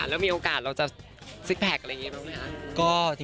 แล้วมีโอกาสเราจะซิกแพคอะไรอย่างนี้บ้างไหมคะ